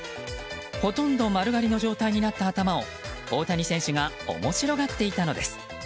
ほとんど丸刈りの状態になった頭を大谷選手が面白がっていたのです。